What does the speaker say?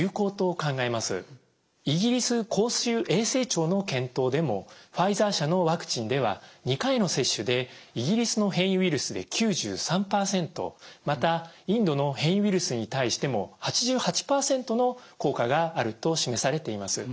イギリス公衆衛生庁の検討でもファイザー社のワクチンでは２回の接種でイギリスの変異ウイルスで９３％またインドの変異ウイルスに対しても８８％の効果があると示されています。